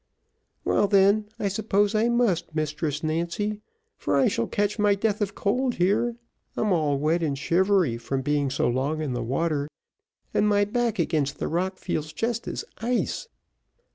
"Well then, I suppose I must, Mistress Nancy, for I shall catch my death of cold here, I'm all wet and shivery, from being so long in the water, and my back against the rock, feels just as ice."